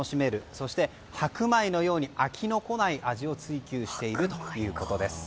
そして、白米のように飽きのこない味を追求しているということです。